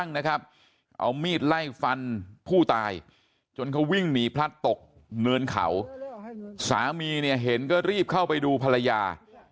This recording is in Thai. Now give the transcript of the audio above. เนื้อนเข่าสามีเนี่ยเห็นก็รีบเข้าไปดูภรรยา